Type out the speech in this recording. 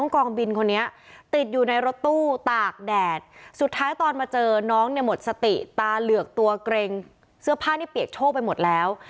คล้ายตอนมาเจอน้องหมดสติตาเหลือกตัวเกรงเสื้อผ้านเปียกโชคไปหมดแล้ว